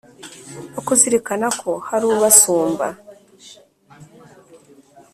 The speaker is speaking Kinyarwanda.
no kuzirikana ko hari ubasumba